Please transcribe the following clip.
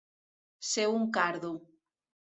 Ser un cardo.